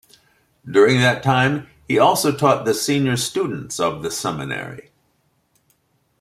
During that time he also taught the senior students of the Seminary.